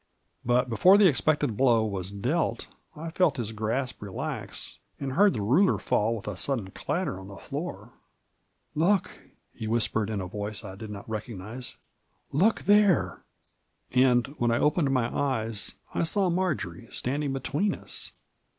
But before the expected blow was dealt I felt his grasp relax, and heard the ruler fall with a sudden clatter on the floor. " Look," he whispered, in a voice I did not recognize, " look there !" And when I opened my eyes, I saw Marjory standing between us